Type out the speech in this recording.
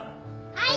はい。